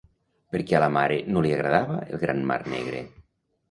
Per què a la mare no li agradava el gran mar negre?